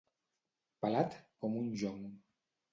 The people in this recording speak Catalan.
Pelat com un jonc.